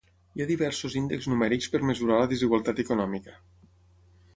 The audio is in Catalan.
Hi ha diversos índexs numèrics per mesurar la desigualtat econòmica.